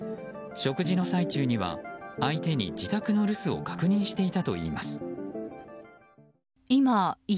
食事の最中には相手に自宅の留守を確認していたといいます。